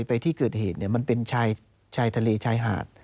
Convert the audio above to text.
ไปที่เกิดเหตุมันเป็นชายทะเลชายหาด